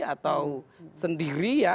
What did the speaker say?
atau sendiri ya